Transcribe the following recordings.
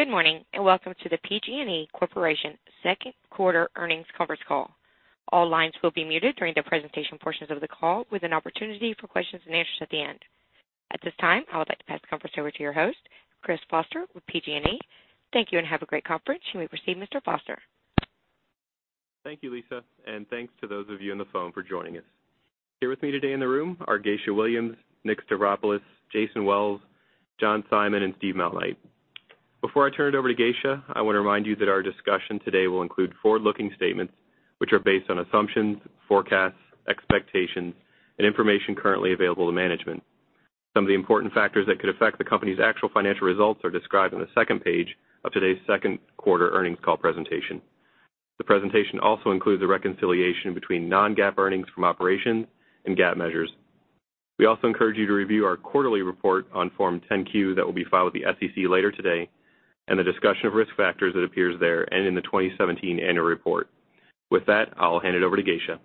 Good morning. Welcome to the PG&E Corporation second quarter earnings conference call. All lines will be muted during the presentation portions of the call, with an opportunity for questions and answers at the end. At this time, I would like to pass the conference over to your host, Christopher Foster with PG&E. Thank you. Have a great conference. You may proceed, Mr. Foster. Thank you, Lisa. Thanks to those of you on the phone for joining us. Here with me today in the room are Geisha Williams, Nick Stavropoulos, Jason Wells, John Simon, and Steve Malnight. Before I turn it over to Geisha, I want to remind you that our discussion today will include forward-looking statements which are based on assumptions, forecasts, expectations, and information currently available to management. Some of the important factors that could affect the company's actual financial results are described on the second page of today's second quarter earnings call presentation. The presentation also includes a reconciliation between non-GAAP earnings from operations and GAAP measures. We also encourage you to review our quarterly report on Form 10-Q that will be filed with the SEC later today, and the discussion of risk factors that appears there and in the 2017 annual report. With that, I'll hand it over to Geisha.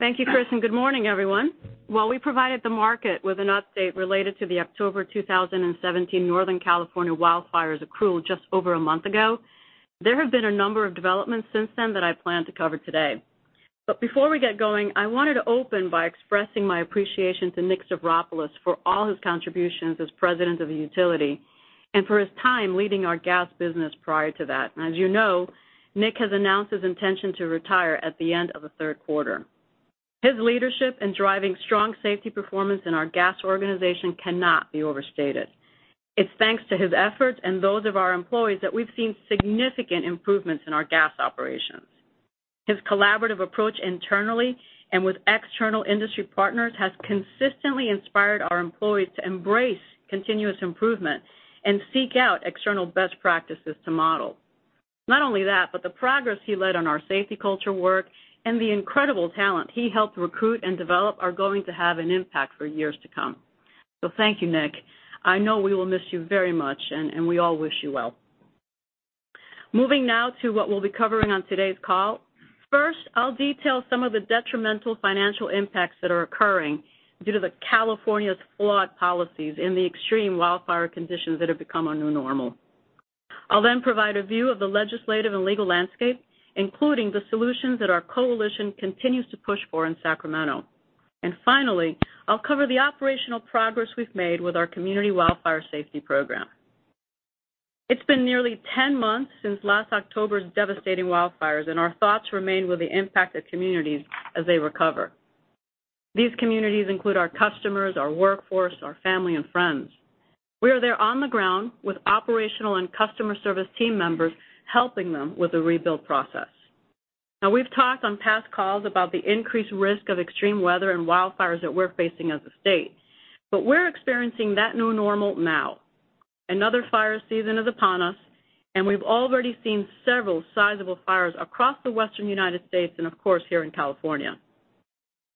Thank you, Chris. Good morning, everyone. While we provided the market with an update related to the October 2017 Northern California wildfires accrual just over a month ago, there have been a number of developments since then that I plan to cover today. Before we get going, I wanted to open by expressing my appreciation to Nick Stavropoulos for all his contributions as president of the utility and for his time leading our gas business prior to that. As you know, Nick has announced his intention to retire at the end of the third quarter. His leadership in driving strong safety performance in our gas organization cannot be overstated. It's thanks to his efforts and those of our employees that we've seen significant improvements in our gas operations. His collaborative approach internally and with external industry partners has consistently inspired our employees to embrace continuous improvement and seek out external best practices to model. Not only that, the progress he led on our safety culture work and the incredible talent he helped recruit and develop are going to have an impact for years to come. Thank you, Nick. I know we will miss you very much, and we all wish you well. Moving now to what we'll be covering on today's call. First, I'll detail some of the detrimental financial impacts that are occurring due to California's flawed policies in the extreme wildfire conditions that have become our new normal. I'll provide a view of the legislative and legal landscape, including the solutions that our coalition continues to push for in Sacramento. Finally, I'll cover the operational progress we've made with our Community Wildfire Safety Program. It's been nearly 10 months since last October's devastating wildfires, and our thoughts remain with the impacted communities as they recover. These communities include our customers, our workforce, our family and friends. We are there on the ground with operational and customer service team members, helping them with the rebuild process. We've talked on past calls about the increased risk of extreme weather and wildfires that we're facing as a state, but we're experiencing that new normal now. Another fire season is upon us, and we've already seen several sizable fires across the Western U.S. and of course, here in California.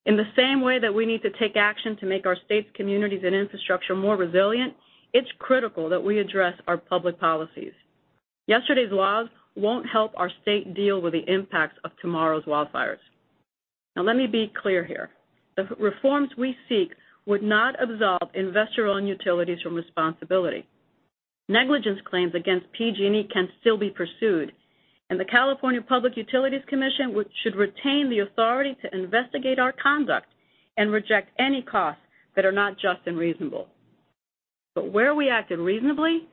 In the same way that we need to take action to make our state's communities and infrastructure more resilient, it's critical that we address our public policies. Yesterday's laws won't help our state deal with the impacts of tomorrow's wildfires. Let me be clear here. The reforms we seek would not absolve investor-owned utilities from responsibility. Negligence claims against PG&E can still be pursued, and the California Public Utilities Commission should retain the authority to investigate our conduct and reject any costs that are not just and reasonable. Where we acted reasonably,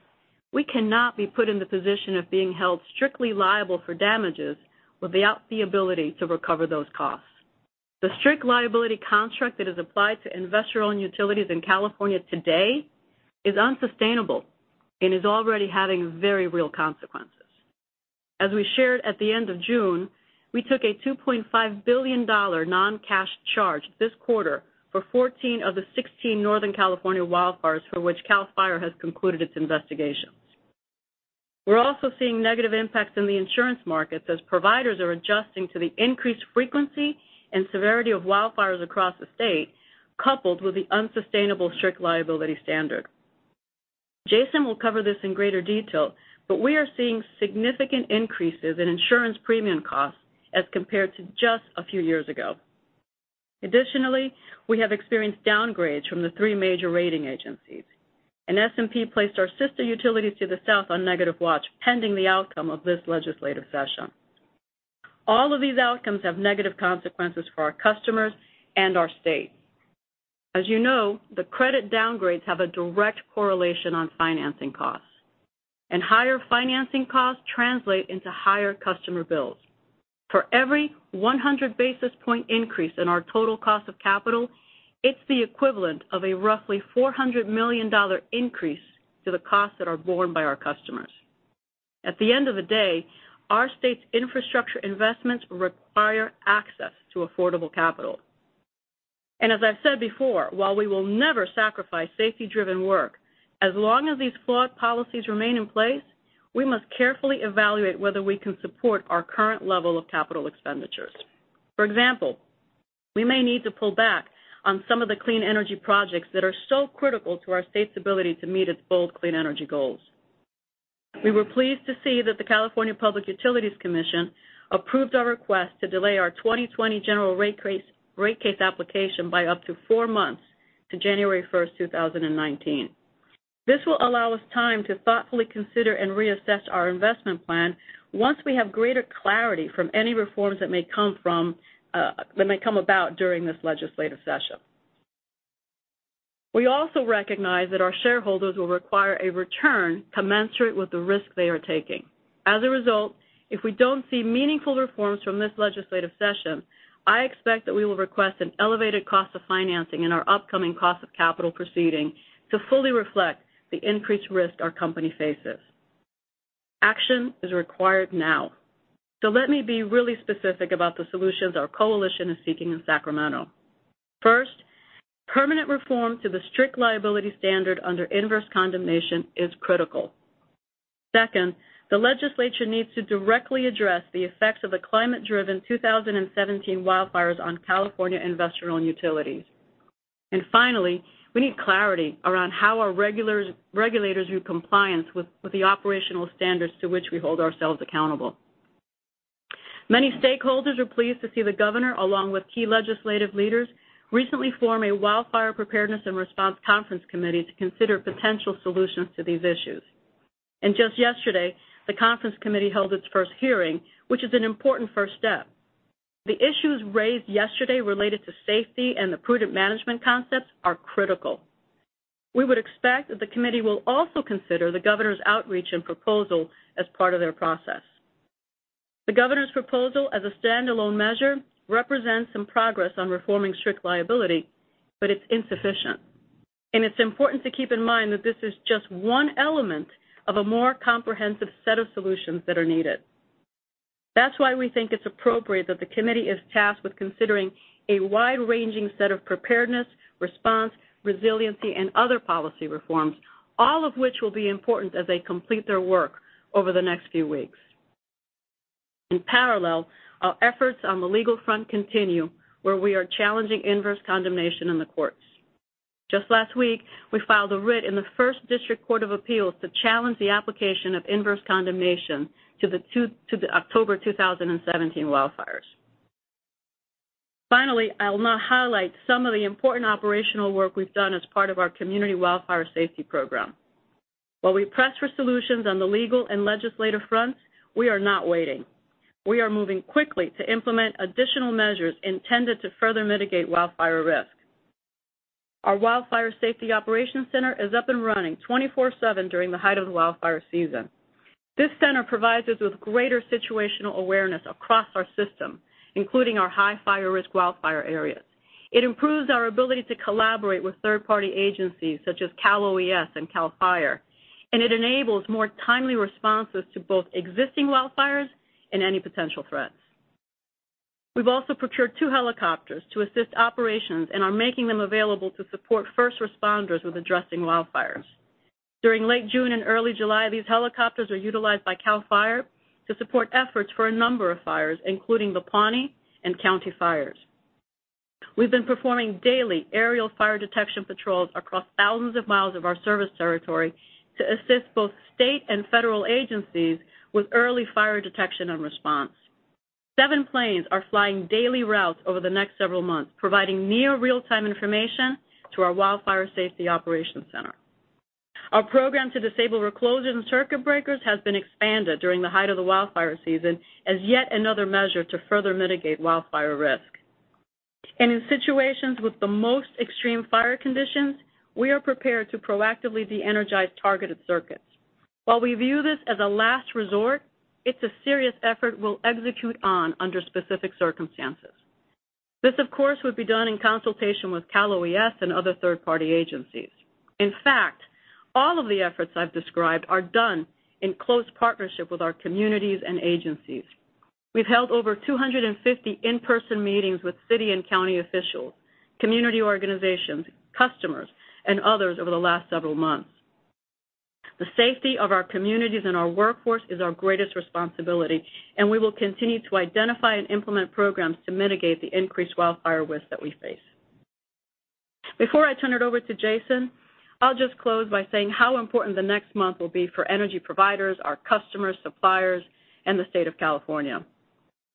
we cannot be put in the position of being held strictly liable for damages without the ability to recover those costs. The strict liability contract that is applied to investor-owned utilities in California today is unsustainable and is already having very real consequences. As we shared at the end of June, we took a $2.5 billion non-cash charge this quarter for 14 of the 16 Northern California wildfires for which CAL FIRE has concluded its investigations. We're also seeing negative impacts in the insurance markets as providers are adjusting to the increased frequency and severity of wildfires across the state, coupled with the unsustainable strict liability standard. Jason will cover this in greater detail, we are seeing significant increases in insurance premium costs as compared to just a few years ago. Additionally, we have experienced downgrades from the three major rating agencies. S&P placed our sister utility to the south on negative watch, pending the outcome of this legislative session. All of these outcomes have negative consequences for our customers and our state. As you know, the credit downgrades have a direct correlation on financing costs, and higher financing costs translate into higher customer bills. For every 100-basis-point increase in our total Cost of Capital, it's the equivalent of a roughly $400 million increase to the costs that are borne by our customers. At the end of the day, our state's infrastructure investments require access to affordable capital. As I've said before, while we will never sacrifice safety-driven work, as long as these flawed policies remain in place, we must carefully evaluate whether we can support our current level of capital expenditures. For example, we may need to pull back on some of the clean energy projects that are so critical to our state's ability to meet its bold clean energy goals. We were pleased to see that the California Public Utilities Commission approved our request to delay our 2020 General Rate Case application by up to four months to January 1st, 2019. This will allow us time to thoughtfully consider and reassess our investment plan once we have greater clarity from any reforms that may come about during this legislative session. We also recognize that our shareholders will require a return commensurate with the risk they are taking. As a result, if we don't see meaningful reforms from this legislative session, I expect that we will request an elevated Cost of Capital in our upcoming Cost of Capital proceeding to fully reflect the increased risk our company faces. Action is required now. Let me be really specific about the solutions our coalition is seeking in Sacramento. First, permanent reform to the strict liability standard under inverse condemnation is critical. Second, the legislature needs to directly address the effects of the climate-driven 2017 wildfires on California investor-owned utilities. Finally, we need clarity around how our regulators view compliance with the operational standards to which we hold ourselves accountable. Many stakeholders are pleased to see the governor, along with key legislative leaders, recently form a wildfire preparedness and response conference committee to consider potential solutions to these issues. Just yesterday, the conference committee held its first hearing, which is an important first step. The issues raised yesterday related to safety and the prudent management concepts are critical. We would expect that the committee will also consider the governor's outreach and proposal as part of their process. The governor's proposal as a standalone measure represents some progress on reforming strict liability, but it's insufficient, and it's important to keep in mind that this is just one element of a more comprehensive set of solutions that are needed. That's why we think it's appropriate that the committee is tasked with considering a wide-ranging set of preparedness, response, resiliency, and other policy reforms, all of which will be important as they complete their work over the next few weeks. In parallel, our efforts on the legal front continue, where we are challenging inverse condemnation in the courts. Just last week, we filed a writ in the First District Court of Appeal to challenge the application of inverse condemnation to the October 2017 wildfires. Finally, I'll now highlight some of the important operational work we've done as part of our Community Wildfire Safety Program. While we press for solutions on the legal and legislative fronts, we are not waiting. We are moving quickly to implement additional measures intended to further mitigate wildfire risk. Our Wildfire Safety Operations Center is up and running 24/7 during the height of the wildfire season. This center provides us with greater situational awareness across our system, including our high fire risk wildfire areas. It improves our ability to collaborate with third-party agencies such as Cal OES and CAL FIRE, and it enables more timely responses to both existing wildfires and any potential threats. We've also procured two helicopters to assist operations and are making them available to support first responders with addressing wildfires. During late June and early July, these helicopters are utilized by CAL FIRE to support efforts for a number of fires, including the Pawnee Fire and County Fire. We've been performing daily aerial fire detection patrols across thousands of miles of our service territory to assist both state and federal agencies with early fire detection and response. Seven planes are flying daily routes over the next several months, providing near real-time information to our Wildfire Safety Operations Center. Our program to disable reclosing circuit breakers has been expanded during the height of the wildfire season as yet another measure to further mitigate wildfire risk. In situations with the most extreme fire conditions, we are prepared to proactively de-energize targeted circuits. While we view this as a last resort, it's a serious effort we'll execute on under specific circumstances. This, of course, would be done in consultation with Cal OES and other third-party agencies. In fact, all of the efforts I've described are done in close partnership with our communities and agencies. We've held over 250 in-person meetings with city and county officials, community organizations, customers, and others over the last several months. The safety of our communities and our workforce is our greatest responsibility, and we will continue to identify and implement programs to mitigate the increased wildfire risk that we face. Before I turn it over to Jason, I'll just close by saying how important the next month will be for energy providers, our customers, suppliers, and the state of California.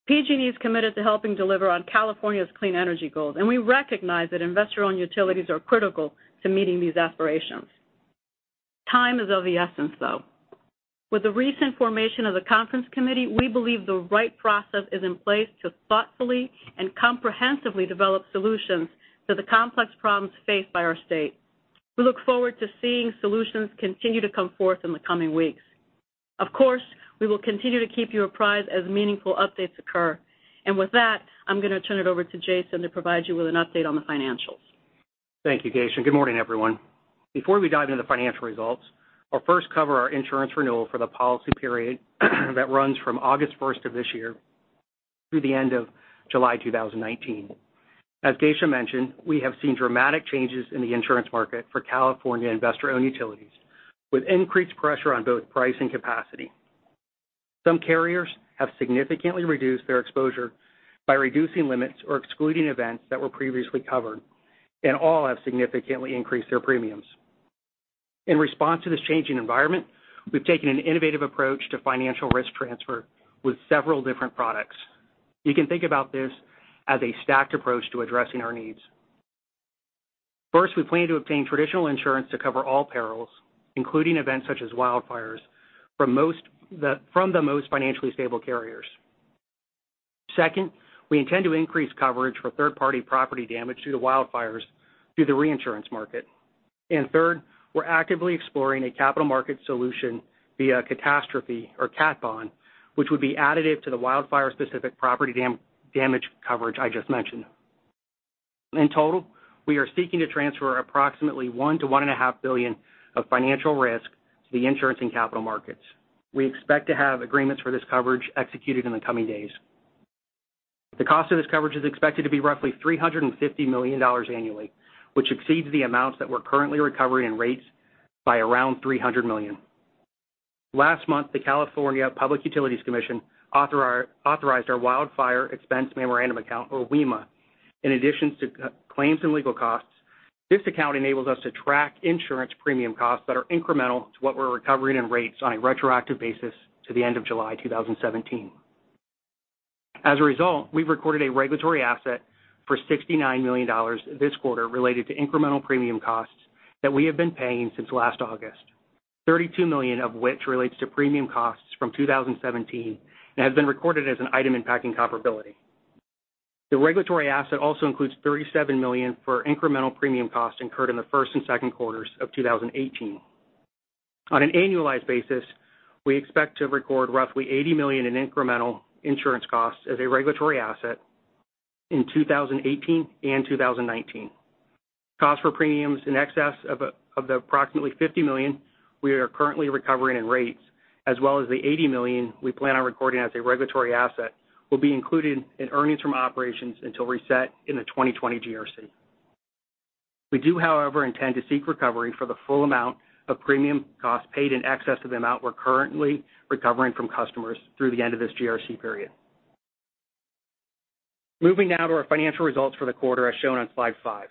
PG&E is committed to helping deliver on California's clean energy goals, and we recognize that investor-owned utilities are critical to meeting these aspirations. Time is of the essence, though. With the recent formation of the conference committee, we believe the right process is in place to thoughtfully and comprehensively develop solutions to the complex problems faced by our state. We look forward to seeing solutions continue to come forth in the coming weeks. Of course, we will continue to keep you apprised as meaningful updates occur. With that, I'm going to turn it over to Jason to provide you with an update on the financials. Thank you, Geisha, and good morning, everyone. Before we dive into the financial results, I'll first cover our insurance renewal for the policy period that runs from August 1st of this year through the end of July 2019. As Geisha mentioned, we have seen dramatic changes in the insurance market for California investor-owned utilities, with increased pressure on both price and capacity. Some carriers have significantly reduced their exposure by reducing limits or excluding events that were previously covered, and all have significantly increased their premiums. In response to this changing environment, we've taken an innovative approach to financial risk transfer with several different products. You can think about this as a stacked approach to addressing our needs. First, we plan to obtain traditional insurance to cover all perils, including events such as wildfires, from the most financially stable carriers. Second, we intend to increase coverage for third-party property damage due to wildfires through the reinsurance market. Third, we're actively exploring a capital market solution via catastrophe or catastrophe bond, which would be additive to the wildfire-specific property damage coverage I just mentioned. In total, we are seeking to transfer approximately $1 billion-$1.5 billion of financial risk to the insurance and capital markets. We expect to have agreements for this coverage executed in the coming days. The cost of this coverage is expected to be roughly $350 million annually, which exceeds the amounts that we're currently recovering in rates by around $300 million. Last month, the California Public Utilities Commission authorized our Wildfire Expense Memorandum Account, or WEMA. In addition to claims and legal costs, this account enables us to track insurance premium costs that are incremental to what we're recovering in rates on a retroactive basis to the end of July 2017. As a result, we've recorded a regulatory asset for $69 million this quarter related to incremental premium costs that we have been paying since last August. $32 million of which relates to premium costs from 2017, and has been recorded as an item impacting comparability. The regulatory asset also includes $37 million for incremental premium costs incurred in the first and second quarters of 2018. On an annualized basis, we expect to record roughly $80 million in incremental insurance costs as a regulatory asset in 2018 and 2019. Cost for premiums in excess of the approximately $50 million we are currently recovering in rates, as well as the $80 million we plan on recording as a regulatory asset, will be included in earnings from operations until reset in the 2020 GRC. We do, however, intend to seek recovery for the full amount of premium costs paid in excess of the amount we're currently recovering from customers through the end of this GRC period. Moving now to our financial results for the quarter as shown on slide five.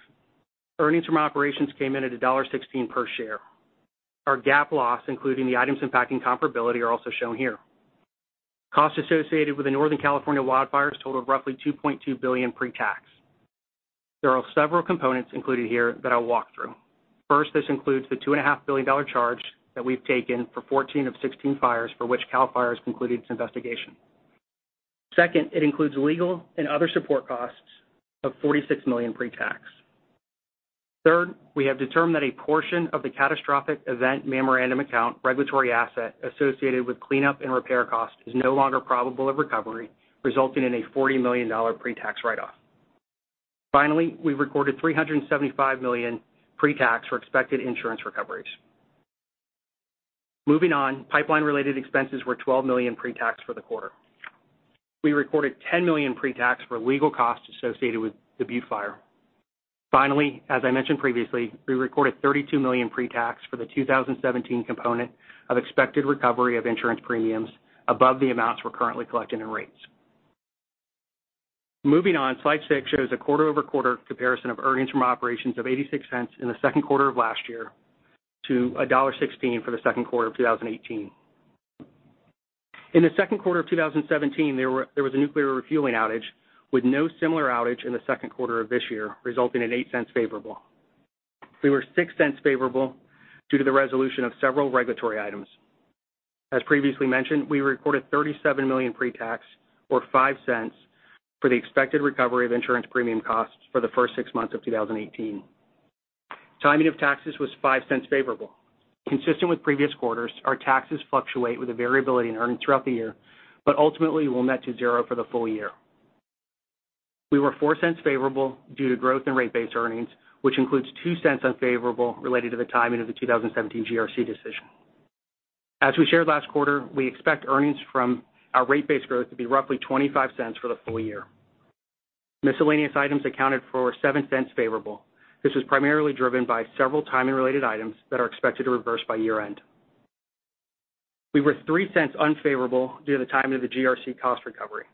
Earnings from operations came in at $1.16 per share. Our GAAP loss, including the items impacting comparability, are also shown here. Costs associated with the Northern California wildfires totaled roughly $2.2 billion pre-tax. There are several components included here that I'll walk through. First, this includes the $2.5 billion charge that we've taken for 14 of 16 fires for which CAL FIRE has concluded its investigation. Second, it includes legal and other support costs of $46 million pre-tax. Third, we have determined that a portion of the Catastrophic Event Memorandum Account regulatory asset associated with cleanup and repair cost is no longer probable of recovery, resulting in a $40 million pre-tax write-off. Finally, we recorded $375 million pre-tax for expected insurance recoveries. Moving on, pipeline-related expenses were $12 million pre-tax for the quarter. We recorded $10 million pre-tax for legal costs associated with the Butte Fire. Finally, as I mentioned previously, we recorded $32 million pre-tax for the 2017 component of expected recovery of insurance premiums above the amounts we're currently collecting in rates. Moving on, slide six shows a quarter-over-quarter comparison of earnings from operations of $0.86 in the second quarter of last year to $1.16 for the second quarter of 2018. In the second quarter of 2017, there was a nuclear refueling outage with no similar outage in the second quarter of this year, resulting in $0.08 favorable. We were $0.06 favorable due to the resolution of several regulatory items. As previously mentioned, we recorded $37 million pre-tax or $0.05 for the expected recovery of insurance premium costs for the first six months of 2018. Timing of taxes was $0.05 favorable. Consistent with previous quarters, our taxes fluctuate with the variability in earnings throughout the year, but ultimately will net to zero for the full year. We were $0.04 favorable due to growth in rate base earnings, which includes $0.02 unfavorable related to the timing of the 2017 GRC decision. As we shared last quarter, we expect earnings from our rate base growth to be roughly $0.25 for the full year. Miscellaneous items accounted for $0.07 favorable. This was primarily driven by several timing-related items that are expected to reverse by year-end. We were $0.03 unfavorable due to the timing of the GRC cost recovery.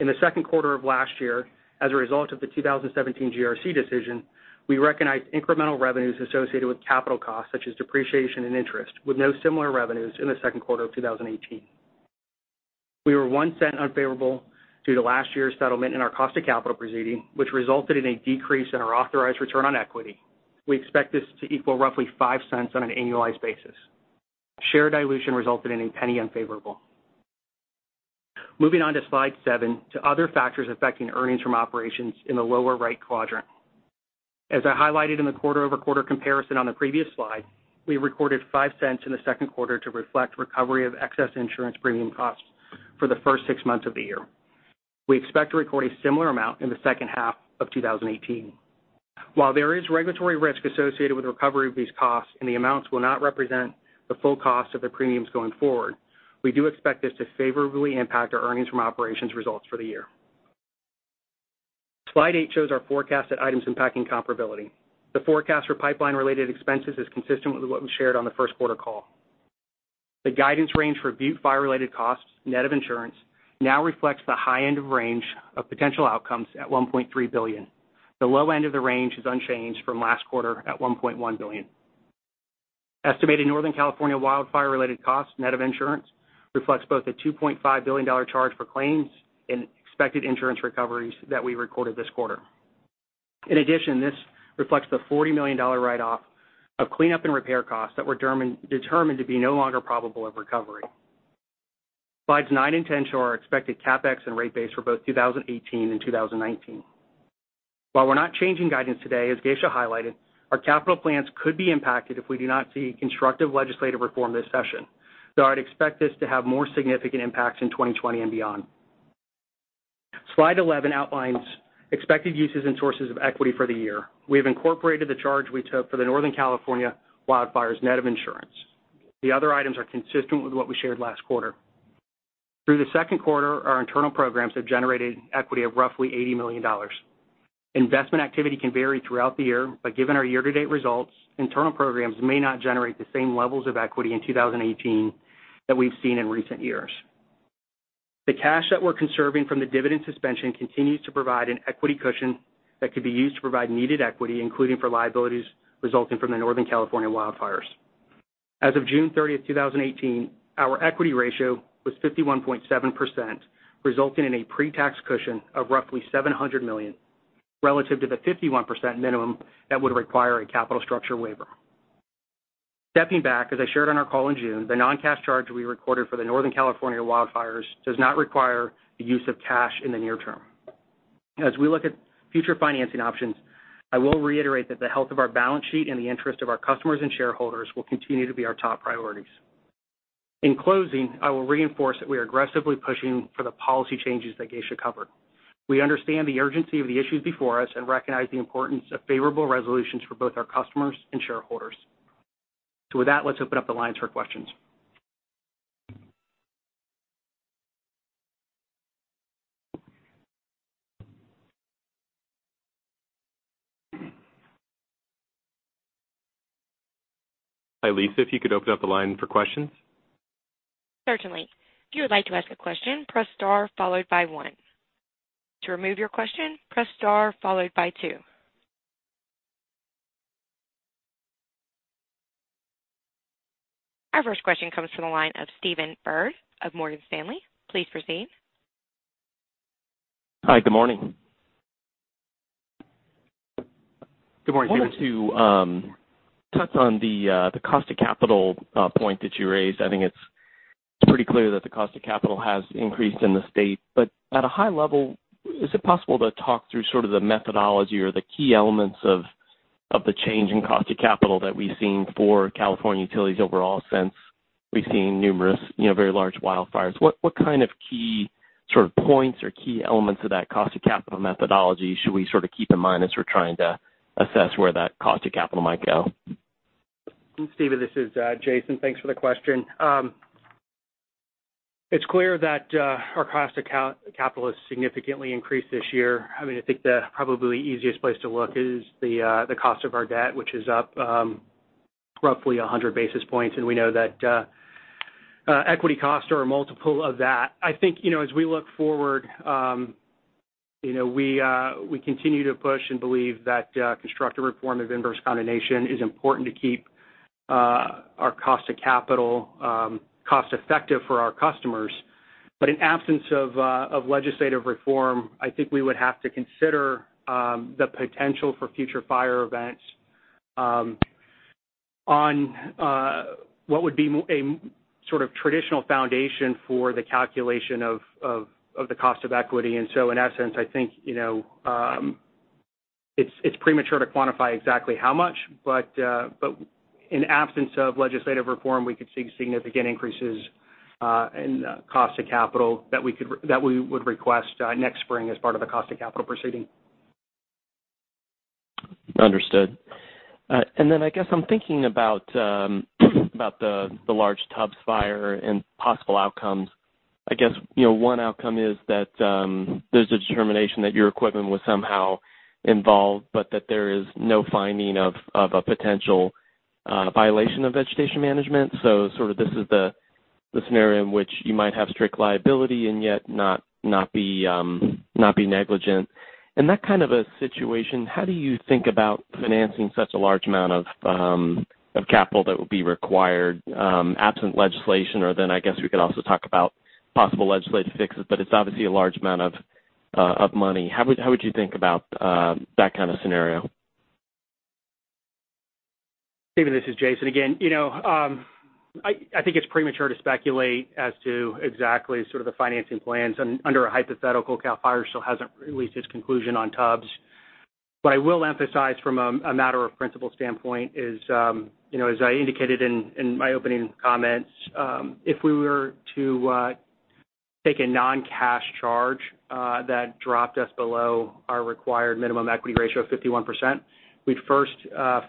In the second quarter of last year, as a result of the 2017 GRC decision, we recognized incremental revenues associated with capital costs such as depreciation and interest, with no similar revenues in the second quarter of 2018. We were $0.01 unfavorable due to last year's settlement in our Cost of Capital proceeding, which resulted in a decrease in our authorized return on equity. We expect this to equal roughly $0.05 on an annualized basis. Share dilution resulted in $0.01 unfavorable. Moving on to slide seven, to other factors affecting earnings from operations in the lower right quadrant. As I highlighted in the quarter-over-quarter comparison on the previous slide, we recorded $0.05 in the second quarter to reflect recovery of excess insurance premium costs for the first six months of the year. We expect to record a similar amount in the second half of 2018. While there is regulatory risk associated with recovery of these costs, and the amounts will not represent the full cost of the premiums going forward, we do expect this to favorably impact our earnings from operations results for the year. Slide eight shows our forecast at items impacting comparability. The forecast for pipeline-related expenses is consistent with what we shared on the first quarter call. The guidance range for Butte Fire-related costs, net of insurance, now reflects the high end of range of potential outcomes at $1.3 billion. The low end of the range is unchanged from last quarter at $1.1 billion. Estimated Northern California wildfire-related costs, net of insurance, reflects both a $2.5 billion charge for claims and expected insurance recoveries that we recorded this quarter. In addition, this reflects the $40 million write-off of cleanup and repair costs that were determined to be no longer probable of recovery. Slides nine and 10 show our expected CapEx and rate base for both 2018 and 2019. While we're not changing guidance today, as Geisha highlighted, our capital plans could be impacted if we do not see constructive legislative reform this session, though I'd expect this to have more significant impacts in 2020 and beyond. Slide 11 outlines expected uses and sources of equity for the year. We have incorporated the charge we took for the Northern California wildfires, net of insurance. The other items are consistent with what we shared last quarter. Through the second quarter, our internal programs have generated equity of roughly $80 million. Investment activity can vary throughout the year, but given our year-to-date results, internal programs may not generate the same levels of equity in 2018 that we've seen in recent years. The cash that we're conserving from the dividend suspension continues to provide an equity cushion that could be used to provide needed equity, including for liabilities resulting from the Northern California wildfires. As of June 30, 2018, our equity ratio was 51.7%, resulting in a pre-tax cushion of roughly $700 million, relative to the 51% minimum that would require a capital structure waiver. Stepping back, as I shared on our call in June, the non-cash charge we recorded for the Northern California wildfires does not require the use of cash in the near term. As we look at future financing options, I will reiterate that the health of our balance sheet and the interest of our customers and shareholders will continue to be our top priorities. In closing, I will reinforce that we are aggressively pushing for the policy changes that Geisha covered. We understand the urgency of the issues before us and recognize the importance of favorable resolutions for both our customers and shareholders. With that, let's open up the lines for questions. Hi, Lisa, if you could open up the line for questions. Certainly. If you would like to ask a question, press star followed by one. To remove your question, press star followed by two. Our first question comes from the line of Stephen Byrd of Morgan Stanley. Please proceed. Hi, good morning. Good morning, Stephen. I wanted to touch on the Cost of Capital point that you raised. I think it's pretty clear that the Cost of Capital has increased in the state. At a high level, is it possible to talk through sort of the methodology or the key elements of the change in Cost of Capital that we've seen for California utilities overall since we've seen numerous very large wildfires? What kind of key sort of points or key elements of that Cost of Capital methodology should we sort of keep in mind as we're trying to assess where that Cost of Capital might go? Stephen, this is Jason. Thanks for the question. It's clear that our Cost of Capital has significantly increased this year. I think the probably easiest place to look is the cost of our debt, which is up roughly 100 basis points, and we know that equity costs are a multiple of that. In absence of legislative reform, I think we would have to consider the potential for future fire events on what would be a sort of traditional foundation for the calculation of the cost of equity. In that sense, I think it's premature to quantify exactly how much, but in absence of legislative reform, we could see significant increases in Cost of Capital that we would request next spring as part of the Cost of Capital proceeding. Understood. I guess I'm thinking about the large Tubbs Fire and possible outcomes. I guess one outcome is that there's a determination that your equipment was somehow involved, but that there is no finding of a potential violation of vegetation management. Sort of this is the scenario in which you might have Strict Liability and yet not be negligent. In that kind of a situation, how do you think about financing such a large amount of capital that would be required, absent legislation, I guess we could also talk about possible legislative fixes, but it's obviously a large amount of money. How would you think about that kind of scenario? Stephen, this is Jason again. I think it's premature to speculate as to exactly sort of the financing plans under a hypothetical. CAL FIRE still hasn't released its conclusion on Tubbs. What I will emphasize from a matter of principle standpoint is, as I indicated in my opening comments, if we were to take a non-cash charge that dropped us below our required minimum equity ratio of 51%, we'd first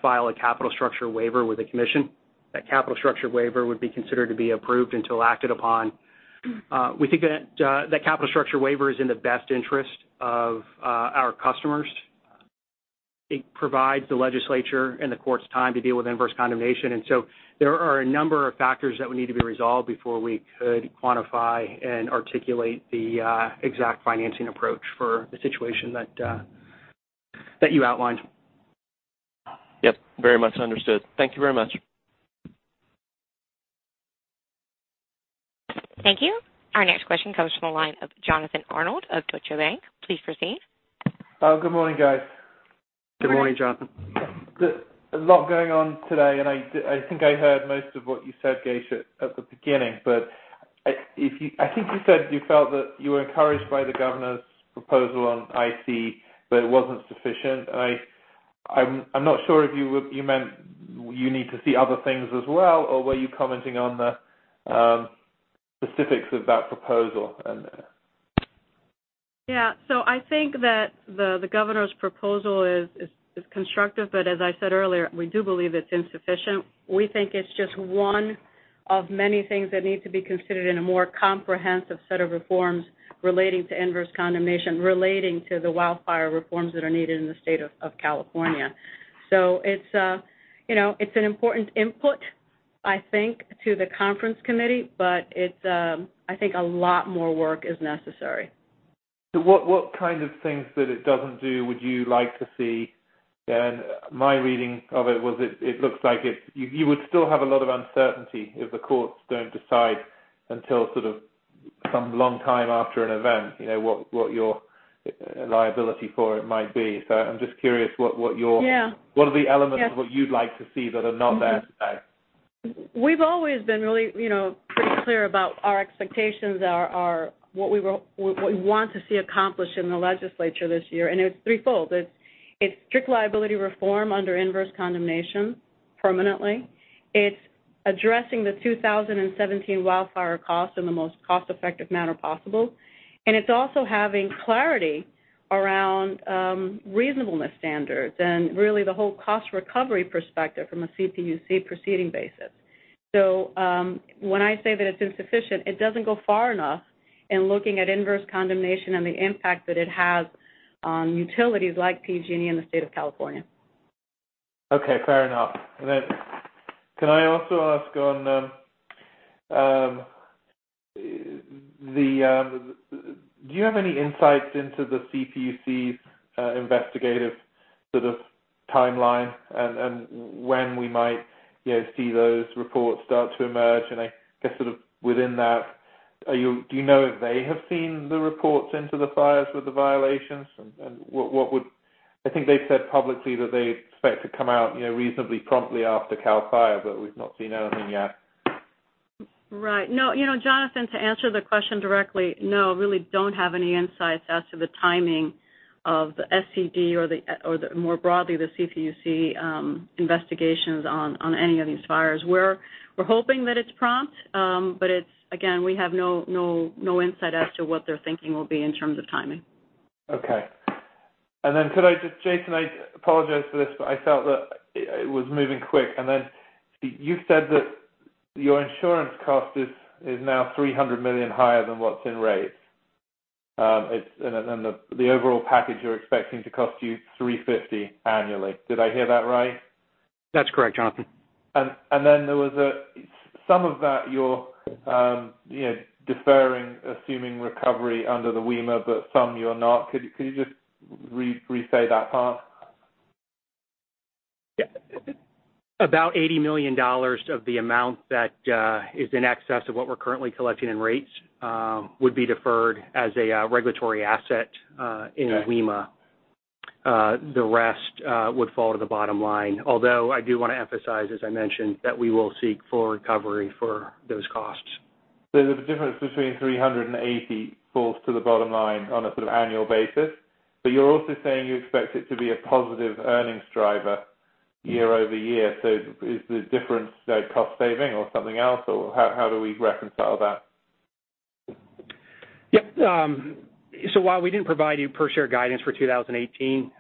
file a Capital Structure Waiver with the commission. That Capital Structure Waiver would be considered to be approved until acted upon. We think that that Capital Structure Waiver is in the best interest of our customers. It provides the legislature and the courts time to deal with Inverse Condemnation. There are a number of factors that would need to be resolved before we could quantify and articulate the exact financing approach for the situation that you outlined. Yes, very much understood. Thank you very much. Thank you. Our next question comes from the line of Jonathan Arnold of Deutsche Bank. Please proceed. Oh, good morning, guys. Good morning. Good morning, Jonathan. A lot going on today. I think I heard most of what you said, Geisha, at the beginning. I think you said you felt that you were encouraged by the governor's proposal on IC, it wasn't sufficient. I'm not sure if you meant you need to see other things as well, were you commenting on the specifics of that proposal? Yeah. I think that the governor's proposal is constructive, as I said earlier, we do believe it's insufficient. We think it's just one of many things that need to be considered in a more comprehensive set of reforms relating to inverse condemnation, relating to the wildfire reforms that are needed in the state of California. It's an important input, I think, to the conference committee, I think a lot more work is necessary. What kind of things that it doesn't do would you like to see? My reading of it was, it looks like you would still have a lot of uncertainty if the courts don't decide until sort of some long time after an event, what your liability for it might be. I'm just curious what your- Yeah What are the elements of what you'd like to see that are not there today? We've always been really pretty clear about our expectations, what we want to see accomplished in the legislature this year. It's threefold. It's strict liability reform under inverse condemnation permanently. It's addressing the 2017 wildfire costs in the most cost-effective manner possible. It's also having clarity around reasonableness standards and really the whole cost recovery perspective from a CPUC proceeding basis. When I say that it's insufficient, it doesn't go far enough in looking at inverse condemnation and the impact that it has on utilities like PG&E in the state of California. Okay, fair enough. Can I also ask, do you have any insights into the CPUC's investigative sort of timeline and when we might see those reports start to emerge? I guess sort of within that, do you know if they have seen the reports into the fires with the violations? I think they said publicly that they expect to come out reasonably promptly after CAL FIRE, but we've not seen anything yet. Right. No, Jonathan, to answer the question directly, no, really don't have any insights as to the timing of the SED or the, more broadly, the CPUC investigations on any of these fires. We're hoping that it's prompt. Again, we have no insight as to what their thinking will be in terms of timing. Okay. Could I just Jason, I apologize for this. I felt that it was moving quick. You said that your insurance cost is now $300 million higher than what's in rates. The overall package you're expecting to cost you $350 annually. Did I hear that right? That's correct, Jonathan. Then there was some of that you're deferring, assuming recovery under the WEMA, but some you're not. Could you just re-say that part? About $80 million of the amount that is in excess of what we're currently collecting in rates would be deferred as a regulatory asset in WEMA. Okay. The rest would fall to the bottom line. Although I do want to emphasize, as I mentioned, that we will seek full recovery for those costs. There's a difference between $380 falls to the bottom line on a sort of annual basis, but you're also saying you expect it to be a positive earnings driver year-over-year. Is the difference cost saving or something else, or how do we reconcile that? Yep. While we didn't provide you per share guidance for 2018,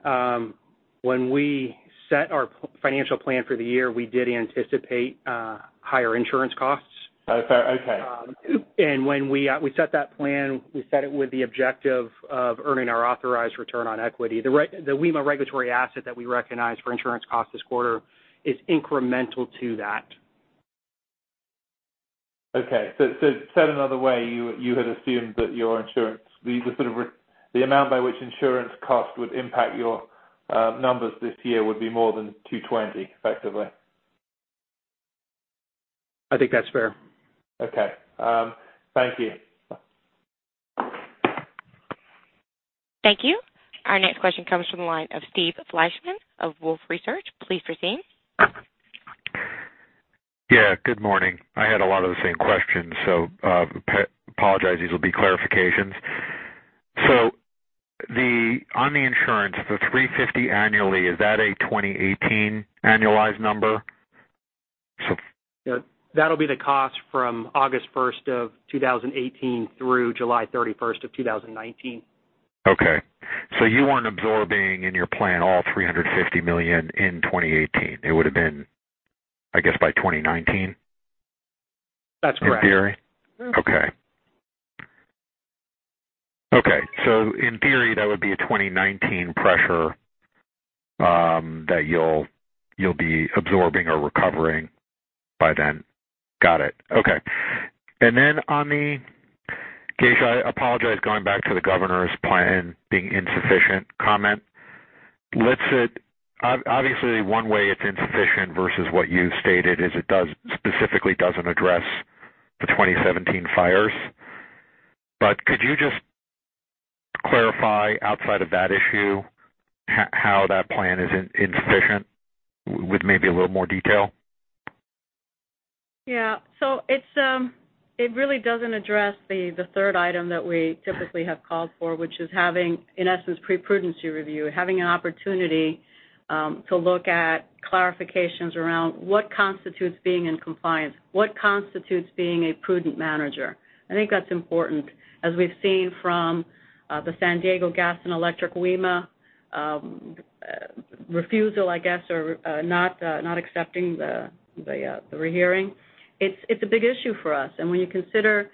when we set our financial plan for the year, we did anticipate higher insurance costs. Okay. When we set that plan, we set it with the objective of earning our authorized return on equity. The WEMA regulatory asset that we recognize for insurance cost this quarter is incremental to that. Okay. Said another way, you had assumed that your insurance, the amount by which insurance cost would impact your numbers this year would be more than $220 effectively? I think that's fair. Okay. Thank you. Thank you. Our next question comes from the line of Steve Fleishman of Wolfe Research. Please proceed. Good morning. I had a lot of the same questions, apologize, these will be clarifications. On the insurance, the $350 annually, is that a 2018 annualized number? That'll be the cost from August 1st of 2018 through July 31st of 2019. Okay. You weren't absorbing in your plan all $350 million in 2018. It would've been, I guess, by 2019? That's correct. In theory? Okay. Okay. In theory, that would be a 2019 pressure that you'll be absorbing or recovering by then. Got it. Okay. Then on the, Geisha, I apologize, going back to the governor's plan being insufficient comment. Obviously, one way it's insufficient versus what you've stated is it specifically doesn't address the 2017 fires. Could you just clarify outside of that issue how that plan is insufficient, with maybe a little more detail? Yeah. It really doesn't address the third item that we typically have called for, which is having, in essence, pre-prudency review. Having an opportunity to look at clarifications around what constitutes being in compliance, what constitutes being a prudent manager. I think that's important. As we've seen from the San Diego Gas & Electric WEMA refusal, I guess, or not accepting the rehearing. It's a big issue for us. When you consider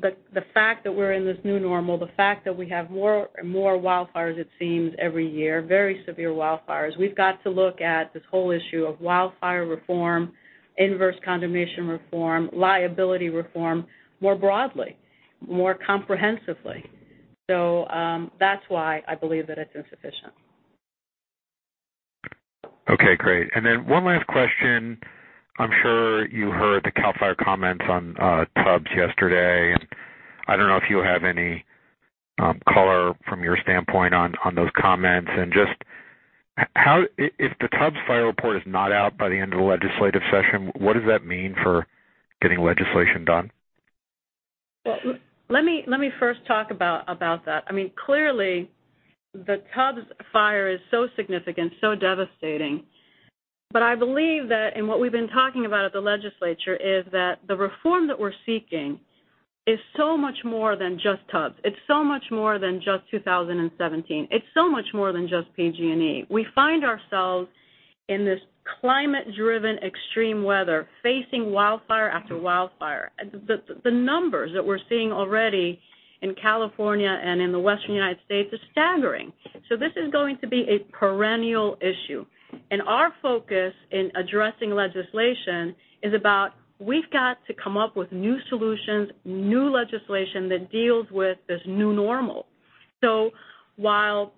the fact that we're in this new normal, the fact that we have more wildfires, it seems, every year, very severe wildfires, we've got to look at this whole issue of wildfire reform, inverse condemnation reform, liability reform, more broadly, more comprehensively. That's why I believe that it's insufficient. Okay, great. One last question. I'm sure you heard the CAL FIRE comments on Tubbs yesterday, I don't know if you have any color from your standpoint on those comments. If the Tubbs fire report is not out by the end of the legislative session, what does that mean for getting legislation done? Let me first talk about that. Clearly, the Tubbs fire is so significant, so devastating. I believe that, and what we've been talking about at the legislature is that the reform that we're seeking is so much more than just Tubbs. It's so much more than just 2017. It's so much more than just PG&E. We find ourselves in this climate-driven extreme weather facing wildfire after wildfire. The numbers that we're seeing already in California and in the Western United States are staggering. This is going to be a perennial issue. Our focus in addressing legislation is about we've got to come up with new solutions, new legislation that deals with this new normal. While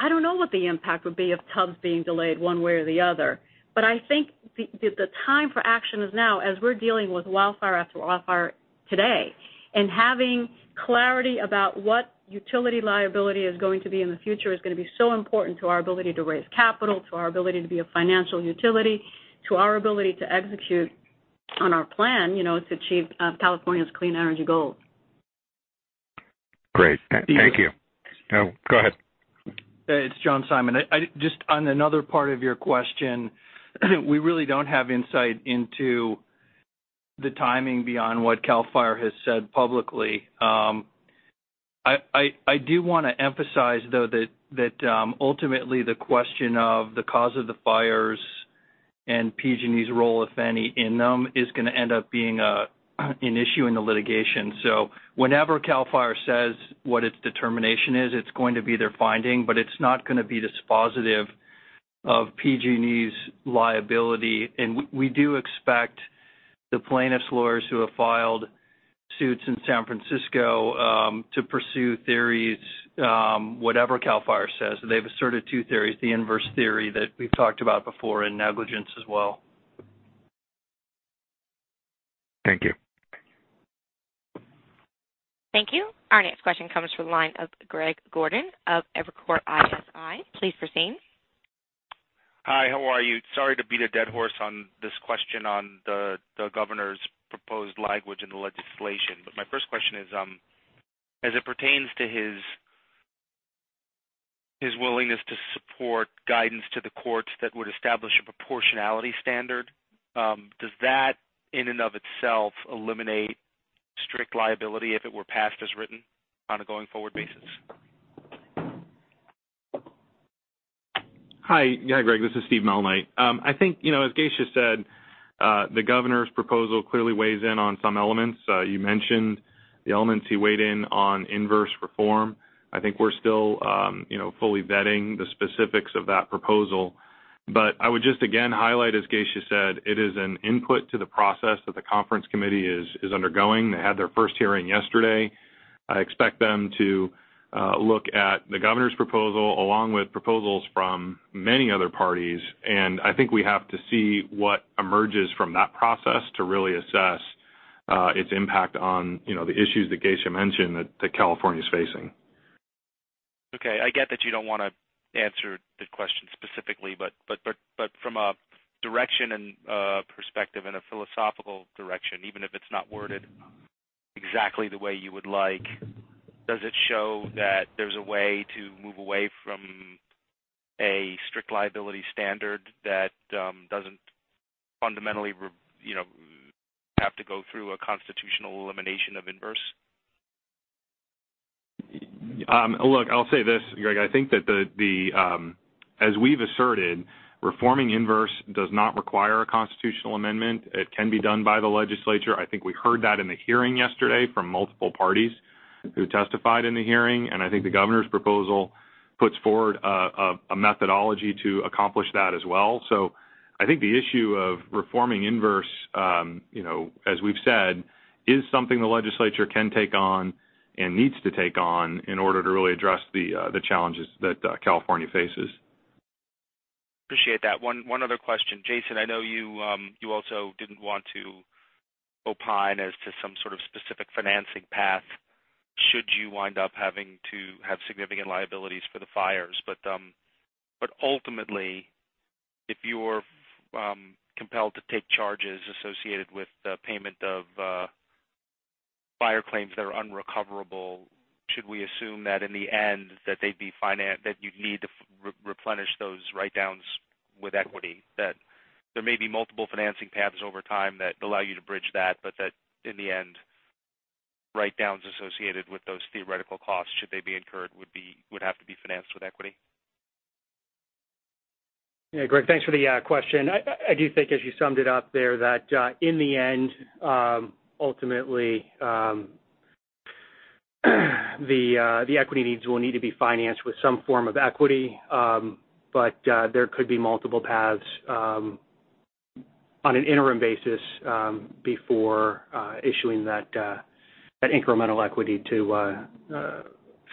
I don't know what the impact would be of Tubbs being delayed one way or the other, but I think the time for action is now, as we're dealing with wildfire after wildfire today. Having clarity about what utility liability is going to be in the future is going to be so important to our ability to raise capital, to our ability to be a financial utility, to our ability to execute on our plan to achieve California's clean energy goals. Great. Thank you. Oh, go ahead. It's John Simon. Just on another part of your question, we really don't have insight into the timing beyond what CAL FIRE has said publicly. I do want to emphasize, though, that ultimately the question of the cause of the fires and PG&E's role, if any, in them is going to end up being an issue in the litigation. Whenever CAL FIRE says what its determination is, it's going to be their finding, but it's not going to be dispositive of PG&E's liability. We do expect the plaintiffs' lawyers who have filed suits in San Francisco to pursue theories, whatever CAL FIRE says. They've asserted two theories, the inverse theory that we've talked about before, and negligence as well. Thank you. Thank you. Our next question comes from the line of Greg Gordon of Evercore ISI. Please proceed. Hi, how are you? Sorry to beat a dead horse on this question on the Governor's proposed language in the legislation. My first question is, as it pertains to his willingness to support guidance to the courts that would establish a proportionality standard, does that in and of itself eliminate strict liability if it were passed as written on a going-forward basis? Hi. Yeah, Greg, this is Steve Malnight. I think, as Geisha said, the Governor's proposal clearly weighs in on some elements. You mentioned the elements he weighed in on inverse reform. I think we're still fully vetting the specifics of that proposal. I would just again highlight, as Geisha said, it is an input to the process that the conference committee is undergoing. They had their first hearing yesterday. I expect them to look at the Governor's proposal, along with proposals from many other parties. I think we have to see what emerges from that process to really assess its impact on the issues that Geisha mentioned that California's facing. Okay. I get that you don't want to answer the question specifically, from a direction and perspective and a philosophical direction, even if it's not worded exactly the way you would like, does it show that there's a way to move away from a strict liability standard that doesn't fundamentally have to go through a constitutional elimination of inverse? Look, I'll say this, Greg. As we've asserted, reforming inverse does not require a constitutional amendment. It can be done by the Legislature. I think we heard that in the hearing yesterday from multiple parties who testified in the hearing, I think the Governor's proposal puts forward a methodology to accomplish that as well. I think the issue of reforming inverse, as we've said, is something the Legislature can take on and needs to take on in order to really address the challenges that California faces. Appreciate that. One other question. Jason, I know you also didn't want to opine as to some sort of specific financing path should you wind up having to have significant liabilities for the fires. Ultimately, if you're compelled to take charges associated with the payment of fire claims that are unrecoverable, should we assume that in the end, that you'd need to replenish those write-downs with equity, that there may be multiple financing paths over time that allow you to bridge that, but that in the end, write-downs associated with those theoretical costs, should they be incurred, would have to be financed with equity? Yeah, Greg, thanks for the question. I do think, as you summed it up there, that in the end, ultimately, the equity needs will need to be financed with some form of equity. There could be multiple paths on an interim basis before issuing that incremental equity to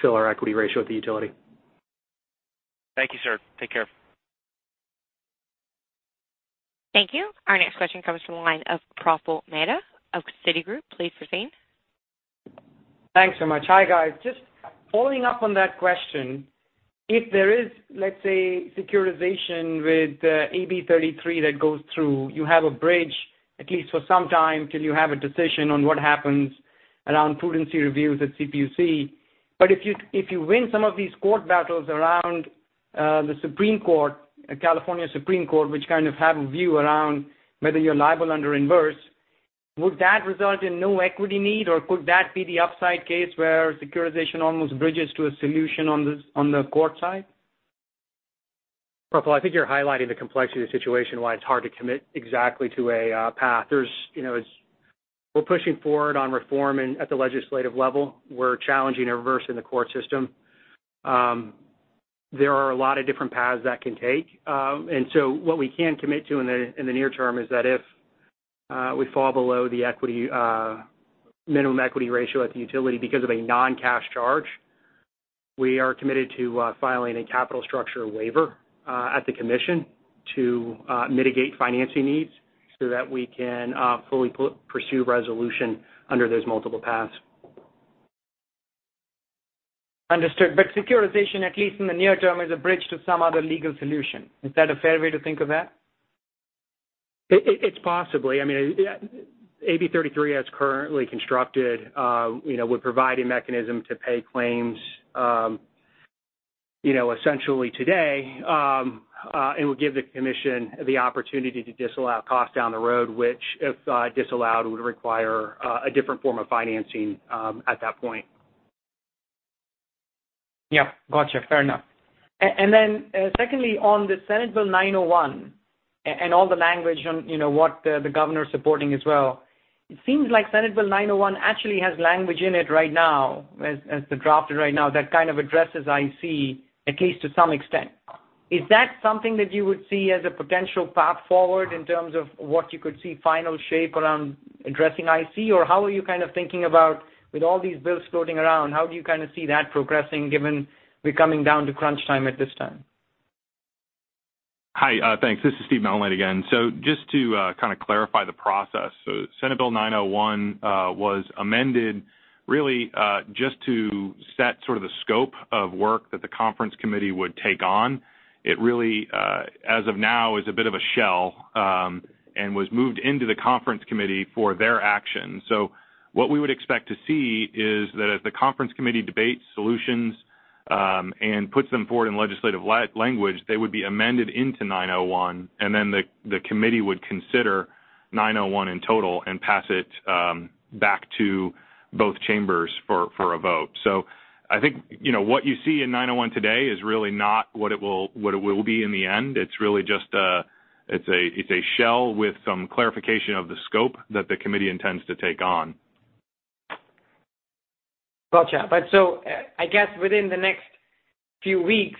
fill our equity ratio at the utility. Thank you, sir. Take care. Thank you. Our next question comes from the line of Praful Mehta of Citi. Please proceed. Thanks so much. Hi, guys. Just following up on that question. If there is, let's say, securitization with AB 33 that goes through. You have a bridge, at least for some time, till you have a decision on what happens around prudency reviews at CPUC. If you win some of these court battles around the California Supreme Court, which kind of have a view around whether you're liable under inverse, would that result in no equity need, or could that be the upside case where securitization almost bridges to a solution on the court side? Praful, I think you're highlighting the complexity of the situation, why it's hard to commit exactly to a path. We're pushing forward on reform at the legislative level. We're challenging inverse in the court system. There are a lot of different paths that can take. So what we can commit to in the near term is that if we fall below the minimum equity ratio at the utility because of a non-cash charge, we are committed to filing a capital structure waiver at the commission to mitigate financing needs so that we can fully pursue resolution under those multiple paths. Understood. Securitization, at least in the near term, is a bridge to some other legal solution. Is that a fair way to think of that? It's possibly. AB 33, as currently constructed, would provide a mechanism to pay claims essentially today, and would give the commission the opportunity to disallow cost down the road, which, if disallowed, would require a different form of financing at that point. Yeah. Got you. Fair enough. Secondly, on the Senate Bill 901 and all the language on what the governor's supporting as well, it seems like Senate Bill 901 actually has language in it right now, as the draft right now, that kind of addresses IC, at least to some extent. Is that something that you would see as a potential path forward in terms of what you could see final shape around addressing IC? How are you kind of thinking about, with all these bills floating around, how do you kind of see that progressing, given we're coming down to crunch time at this time? Hi. Thanks. This is Steve Malnight again. Just to kind of clarify the process. Senate Bill 901 was amended really just to set sort of the scope of work that the conference committee would take on. It really, as of now, is a bit of a shell, and was moved into the conference committee for their action. What we would expect to see is that as the conference committee debates solutions and puts them forward in legislative language, they would be amended into 901, the committee would consider 901 in total and pass it back to both chambers for a vote. I think what you see in 901 today is really not what it will be in the end. It's a shell with some clarification of the scope that the committee intends to take on. Gotcha. I guess within the next few weeks,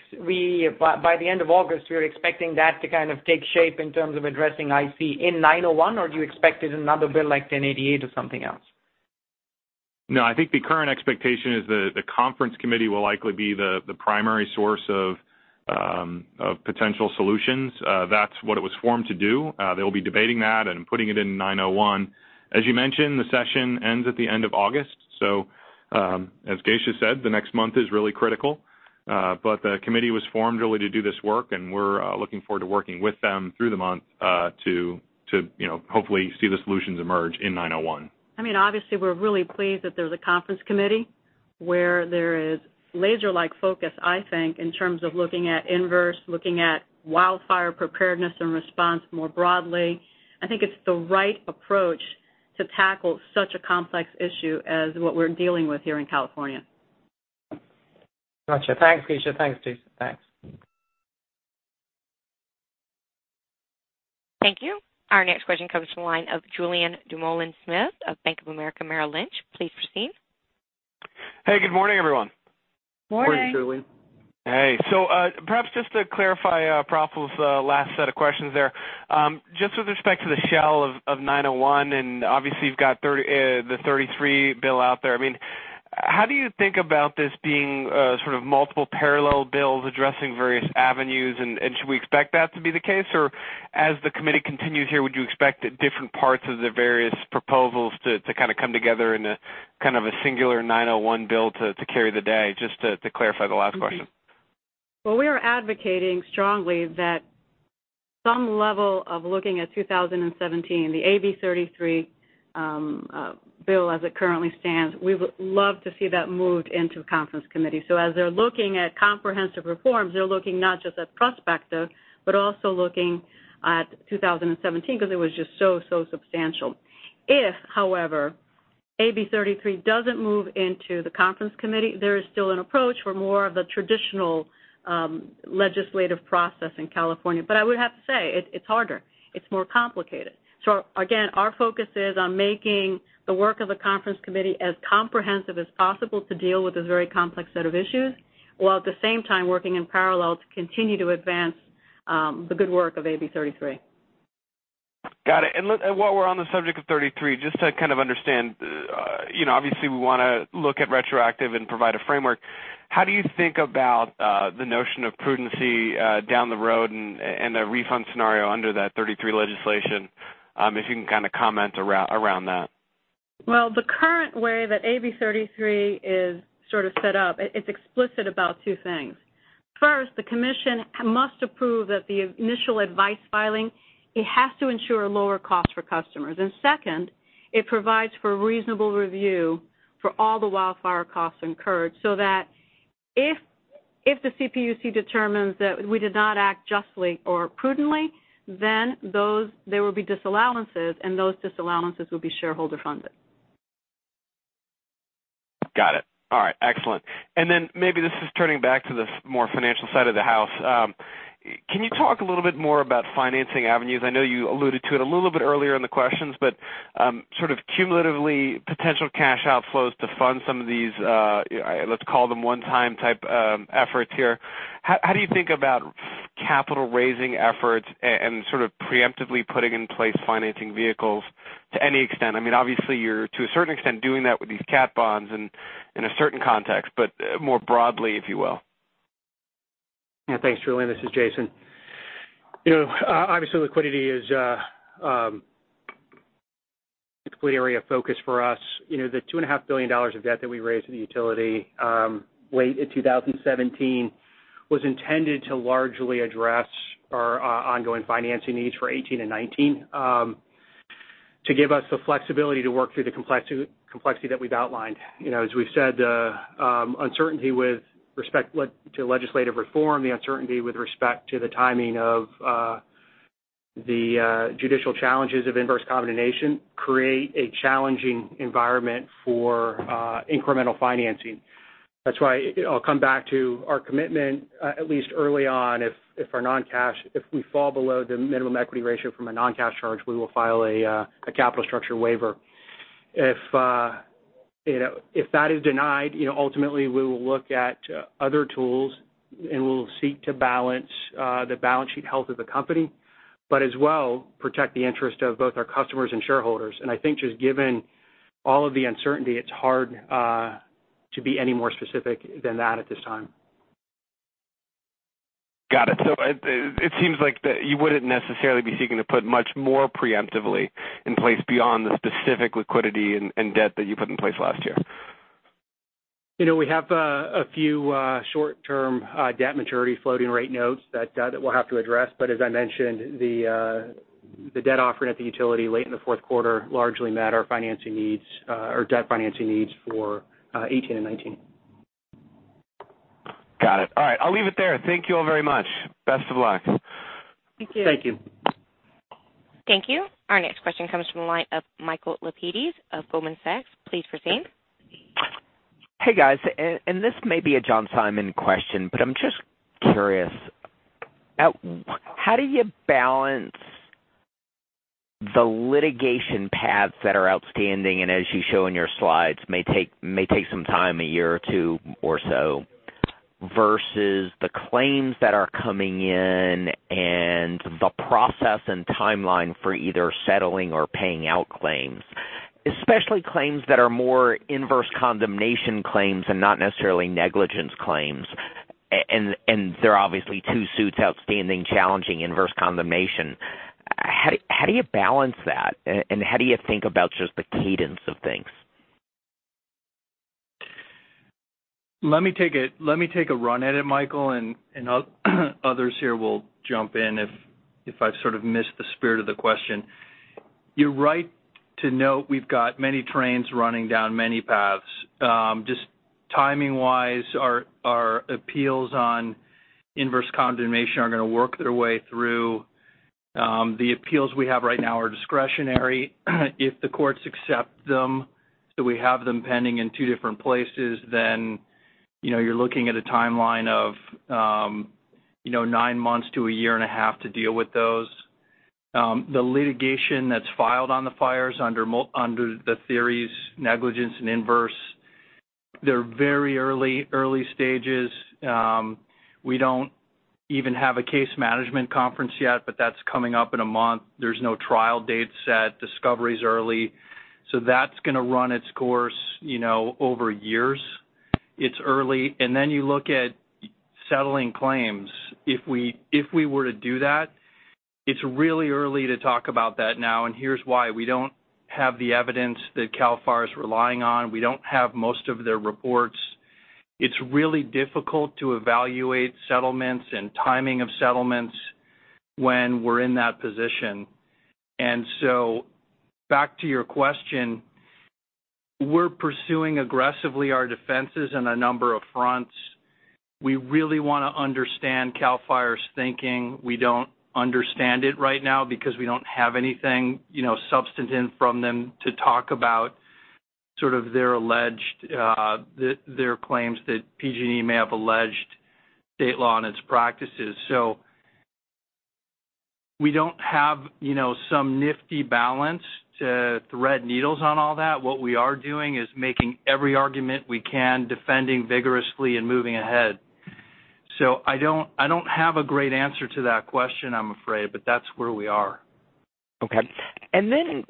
by the end of August, we're expecting that to kind of take shape in terms of addressing IC in 901, or do you expect it in another bill like 1088 or something else? I think the current expectation is the conference committee will likely be the primary source of potential solutions. That's what it was formed to do. They'll be debating that and putting it in 901. As you mentioned, the session ends at the end of August, as Geisha said, the next month is really critical. The committee was formed really to do this work, and we're looking forward to working with them through the month to hopefully see the solutions emerge in 901. I mean, obviously, we're really pleased that there's a conference committee where there is laser-like focus, I think, in terms of looking at inverse, looking at wildfire preparedness and response more broadly. I think it's the right approach to tackle such a complex issue as what we're dealing with here in California. Got you. Thanks, Geisha. Thanks, Jason. Thanks. Thank you. Our next question comes from the line of Julien Dumoulin-Smith of Bank of America Merrill Lynch. Please proceed. Hey, good morning, everyone. Morning. Morning, Julien. Hey. Perhaps just to clarify Praful's last set of questions there, just with respect to the S.B. 901, and obviously you've got the AB 33 out there. I mean, how do you think about this being sort of multiple parallel bills addressing various avenues, and should we expect that to be the case? Or as the committee continues here, would you expect that different parts of the various proposals to kind of come together in a kind of a singular 901 bill to carry the day? Just to clarify the last question. Well, we are advocating strongly that some level of looking at 2017, the AB 33 bill as it currently stands, we would love to see that moved into Conference Committee. As they're looking at comprehensive reforms, they're looking not just at prospective, but also looking at 2017 because it was just so substantial. If, however, AB 33 doesn't move into the Conference Committee, there is still an approach for more of the traditional legislative process in California. I would have to say, it's harder. It's more complicated. Again, our focus is on making the work of the Conference Committee as comprehensive as possible to deal with this very complex set of issues, while at the same time working in parallel to continue to advance the good work of AB 33. Got it. While we're on the subject of AB 33, just to kind of understand, obviously we want to look at retroactive and provide a framework. How do you think about the notion of prudency down the road and a refund scenario under that AB 33 legislation? If you can kind of comment around that. Well, the current way that AB 33 is sort of set up, it's explicit about two things. First, the commission must approve that the initial advice filing, it has to ensure lower cost for customers. Second, it provides for reasonable review for all the wildfire costs incurred, so that if the CPUC determines that we did not act justly or prudently, then there will be disallowances, and those disallowances will be shareholder funded. Got it. All right, excellent. Then maybe this is turning back to the more financial side of the house. Can you talk a little bit more about financing avenues? I know you alluded to it a little bit earlier in the questions, but sort of cumulatively potential cash outflows to fund some of these, let's call them one-time type efforts here. How do you think about capital-raising efforts and sort of preemptively putting in place financing vehicles to any extent? I mean, obviously you're, to a certain extent, doing that with these CAT bonds and in a certain context, but more broadly, if you will. Yeah, thanks, Julien, this is Jason. Obviously, liquidity is a complete area of focus for us. The $2.5 billion of debt that we raised in the utility late in 2017 was intended to largely address our ongoing financing needs for 2018 and 2019, to give us the flexibility to work through the complexity that we've outlined. As we've said, uncertainty with respect to legislative reform, the uncertainty with respect to the timing of the judicial challenges of inverse condemnation create a challenging environment for incremental financing. That's why I'll come back to our commitment, at least early on, if our non-cash, if we fall below the minimum equity ratio from a non-cash charge, we will file a capital structure waiver. If that is denied, ultimately we will look at other tools and we will seek to balance the balance sheet health of the company, but as well, protect the interest of both our customers and shareholders. I think just given all of the uncertainty, it's hard to be any more specific than that at this time. Got it. It seems like that you wouldn't necessarily be seeking to put much more preemptively in place beyond the specific liquidity and debt that you put in place last year. We have a few short-term debt maturity floating rate notes that we'll have to address, but as I mentioned, the debt offering at the utility late in the fourth quarter largely met our financing needs or debt financing needs for 2018 and 2019. Got it. All right. I'll leave it there. Thank you all very much. Best of luck. Thank you. Thank you. Thank you. Our next question comes from the line of Michael Lapides of Goldman Sachs. Please proceed. Hey, guys. This may be a John Simon question, but I'm just curious. How do you balance the litigation paths that are outstanding, and as you show in your slides, may take some time, a year or two or so versus the claims that are coming in and the process and timeline for either settling or paying out claims, especially claims that are more inverse condemnation claims and not necessarily negligence claims. There are obviously two suits outstanding challenging inverse condemnation. How do you balance that, and how do you think about just the cadence of things? Let me take a run at it, Michael, others here will jump in if I've sort of missed the spirit of the question. You're right to note we've got many trains running down many paths. Just Timing-wise, our appeals on inverse condemnation are going to work their way through. The appeals we have right now are discretionary. If the courts accept them, we have them pending in two different places, then you're looking at a timeline of nine months to a year and a half to deal with those. The litigation that's filed on the fires under the theories, negligence and inverse, they're very early stages. We don't even have a case management conference yet, but that's coming up in a month. There's no trial date set. Discovery's early. That's going to run its course over years. It's early. Then you look at settling claims. If we were to do that, it's really early to talk about that now, and here's why. We don't have the evidence that CAL FIRE is relying on. We don't have most of their reports. It's really difficult to evaluate settlements and timing of settlements when we're in that position. Back to your question, we're pursuing aggressively our defenses on a number of fronts. We really want to understand CAL FIRE's thinking. We don't understand it right now because we don't have anything substantive from them to talk about their claims that PG&E may have alleged state law in its practices. We don't have some nifty balance to thread needles on all that. What we are doing is making every argument we can, defending vigorously and moving ahead. I don't have a great answer to that question, I'm afraid, but that's where we are. Okay. Then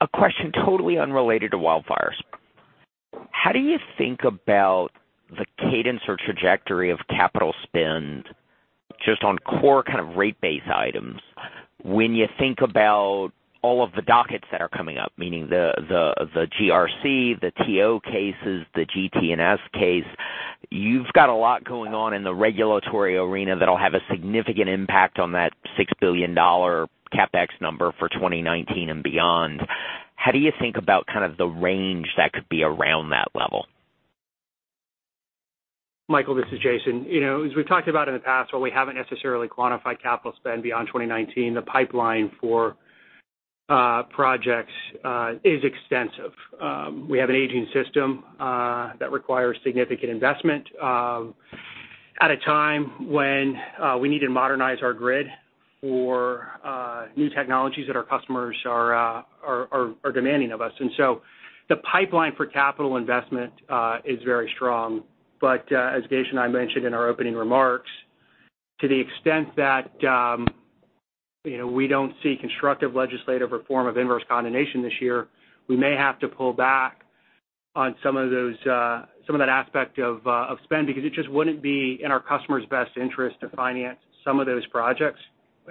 a question totally unrelated to wildfires. How do you think about the cadence or trajectory of capital spend just on core kind of rate base items? When you think about all of the dockets that are coming up, meaning the GRC, the TO cases, the GT&S case, you've got a lot going on in the regulatory arena that'll have a significant impact on that $6 billion CapEx number for 2019 and beyond. How do you think about kind of the range that could be around that level? Michael, this is Jason. As we've talked about in the past, while we haven't necessarily quantified capital spend beyond 2019, the pipeline for projects is extensive. We have an aging system that requires significant investment at a time when we need to modernize our grid for new technologies that our customers are demanding of us. The pipeline for capital investment is very strong. But as Geisha and I mentioned in our opening remarks, to the extent that we don't see constructive legislative reform of inverse condemnation this year, we may have to pull back on some of that aspect of spend, because it just wouldn't be in our customers' best interest to finance some of those projects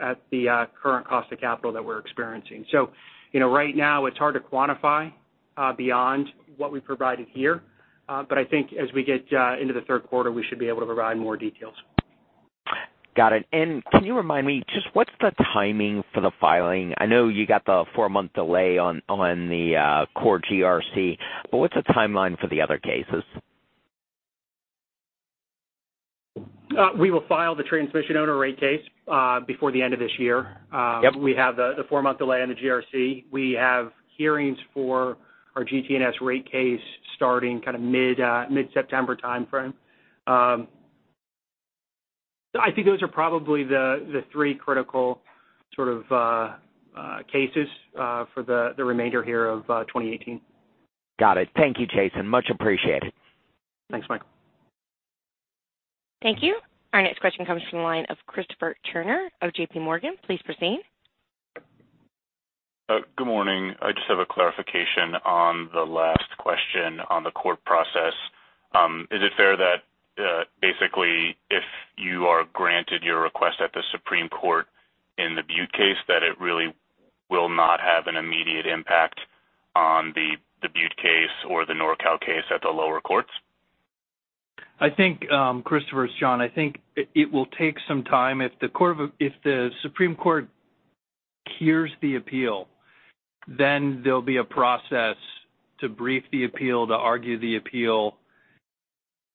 at the current cost of capital that we're experiencing. Right now it's hard to quantify beyond what we provided here. I think as we get into the third quarter, we should be able to provide more details. Got it. Can you remind me, just what's the timing for the filing? I know you got the four-month delay on the core GRC, what's the timeline for the other cases? We will file the Transmission Owner Rate Case before the end of this year. Yep. We have the four-month delay on the GRC. We have hearings for our GT&S rate case starting mid-September timeframe. I think those are probably the three critical sort of cases for the remainder here of 2018. Got it. Thank you, Jason. Much appreciated. Thanks, Michael. Thank you. Our next question comes from the line of Christopher Turnure of JPMorgan. Please proceed. Good morning. I just have a clarification on the last question on the court process. Is it fair that basically if you are granted your request at the Supreme Court in the Butte case, that it really will not have an immediate impact on the Butte case or the NorCal case at the lower courts? Christopher, it's John. I think it will take some time. If the Supreme Court of California hears the appeal, there'll be a process to brief the appeal, to argue the appeal,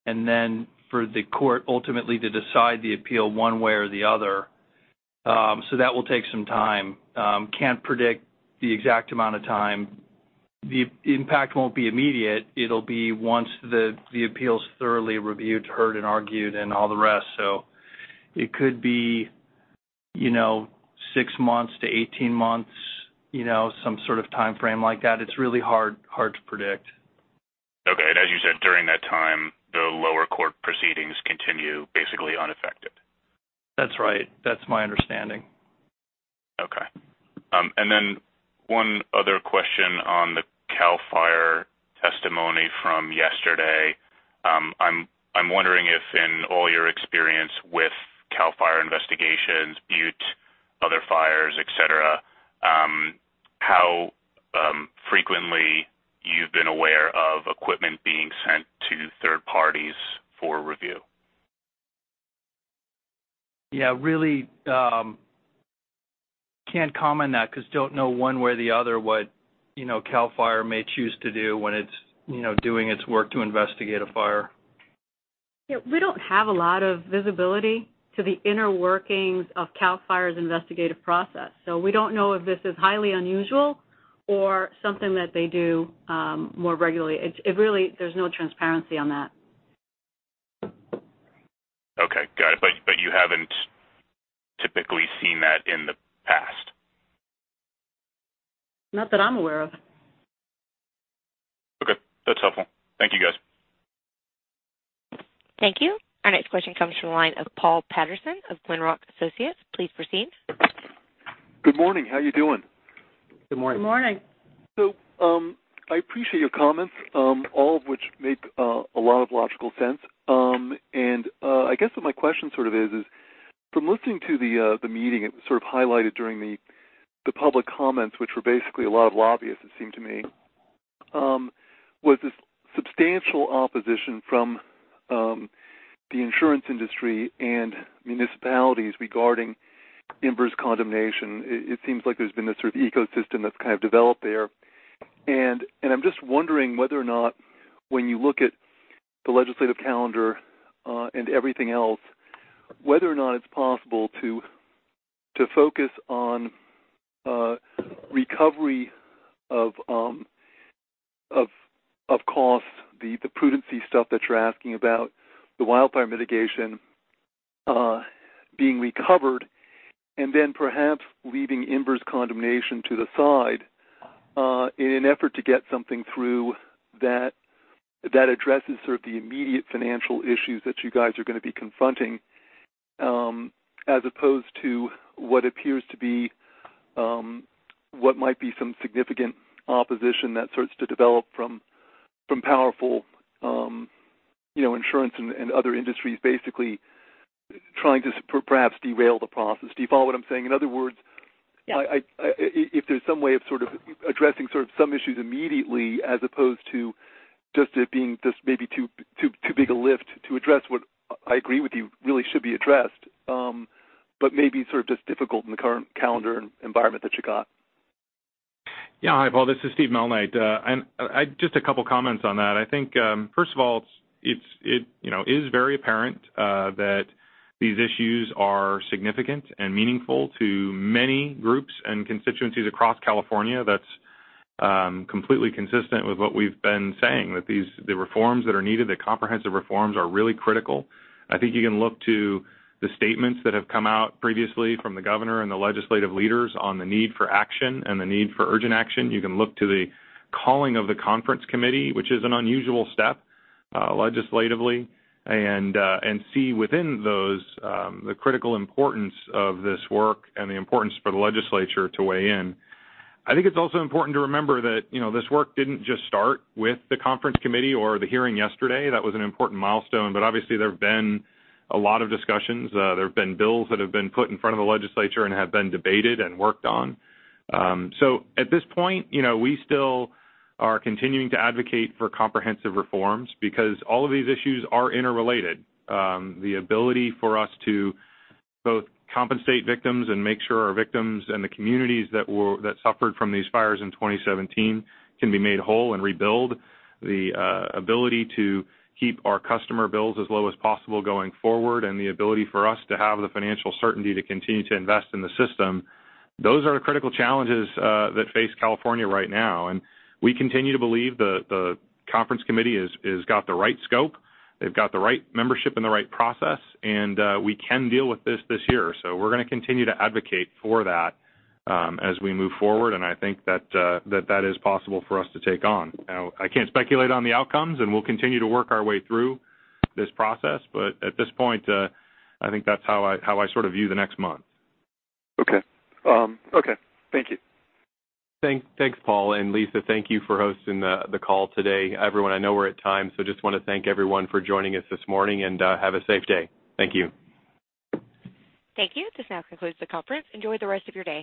and then for the court ultimately to decide the appeal one way or the other. That will take some time. Can't predict the exact amount of time. The impact won't be immediate. It'll be once the appeal's thoroughly reviewed, heard, and argued and all the rest. It could be six months to 18 months, some sort of timeframe like that. It's really hard to predict. Okay. As you said, during that time, the lower court proceedings continue basically unaffected. That's right. That's my understanding. Okay. One other question on the CAL FIRE testimony from yesterday. I'm wondering if in all your experience with CAL FIRE investigations, Butte, other fires, et cetera, how frequently you've been aware of equipment being sent to third parties for review? Yeah, really can't comment on that because don't know one way or the other what CAL FIRE may choose to do when it's doing its work to investigate a fire. Yeah, we don't have a lot of visibility to the inner workings of CAL FIRE's investigative process. We don't know if this is highly unusual or something that they do more regularly. There's no transparency on that. Okay, got it. You haven't typically seen that in the past? Not that I'm aware of. Okay. That's helpful. Thank you, guys. Thank you. Our next question comes from the line of Paul Patterson of Glenrock Associates. Please proceed. Good morning. How you doing? Good morning. Good morning. I appreciate your comments, all of which make a lot of logical sense. I guess what my question sort of is, from listening to the meeting, it was sort of highlighted during the public comments, which were basically a lot of lobbyists, it seemed to me, was this substantial opposition from the insurance industry and municipalities regarding inverse condemnation. It seems like there's been this sort of ecosystem that's kind of developed there. I'm just wondering whether or not when you look at the legislative calendar, and everything else, whether or not it's possible to focus on recovery of cost, the prudency stuff that you're asking about, the wildfire mitigation being recovered, and then perhaps leaving inverse condemnation to the side, in an effort to get something through that addresses sort of the immediate financial issues that you guys are going to be confronting, as opposed to what might be some significant opposition that starts to develop from powerful insurance and other industries basically trying to perhaps derail the process. Do you follow what I'm saying? Yeah if there's some way of sort of addressing some issues immediately as opposed to just it being just maybe too big a lift to address what I agree with you really should be addressed. Maybe sort of just difficult in the current calendar and environment that you got. Yeah. Hi, Paul. This is Steve Malnight. Just a couple comments on that. I think, first of all, it is very apparent that these issues are significant and meaningful to many groups and constituencies across California. That's completely consistent with what we've been saying, that the reforms that are needed, the comprehensive reforms are really critical. I think you can look to the statements that have come out previously from the Governor and the legislative leaders on the need for action and the need for urgent action. You can look to the calling of the conference committee, which is an unusual step legislatively, and see within those the critical importance of this work and the importance for the Legislature to weigh in. I think it's also important to remember that this work didn't just start with the conference committee or the hearing yesterday. That was an important milestone. Obviously there have been a lot of discussions. There have been bills that have been put in front of the Legislature and have been debated and worked on. At this point, we still are continuing to advocate for comprehensive reforms because all of these issues are interrelated. The ability for us to both compensate victims and make sure our victims and the communities that suffered from these fires in 2017 can be made whole and rebuild, the ability to keep our customer bills as low as possible going forward, and the ability for us to have the financial certainty to continue to invest in the system. Those are the critical challenges that face California right now, and we continue to believe the conference committee has got the right scope. They've got the right membership and the right process, and we can deal with this this year. We're going to continue to advocate for that as we move forward, and I think that is possible for us to take on. I can't speculate on the outcomes, and we'll continue to work our way through this process. At this point, I think that's how I sort of view the next month. Okay. Thank you. Thanks, Paul. Lisa, thank you for hosting the call today. Everyone, I know we're at time, just want to thank everyone for joining us this morning, have a safe day. Thank you. Thank you. This now concludes the conference. Enjoy the rest of your day.